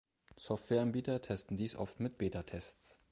Software-Anbieter testen dies oft mit Beta-Tests.